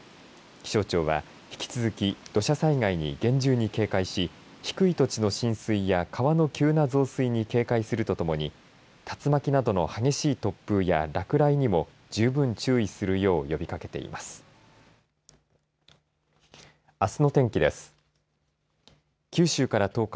気象庁は引き続き土砂災害に厳重に警戒し低い土地の浸水や川の急な増水に警戒するとともに竜巻などの激しい突風や落雷にも十分注意するよう呼びかけています。